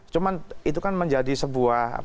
cuma itu kan menjadi sebuah